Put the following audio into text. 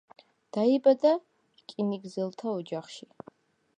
დაიბადა რკინიგზელთა ოჯახში.